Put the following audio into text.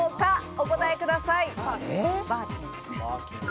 お答えください。